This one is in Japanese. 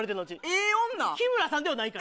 日村さんではないから。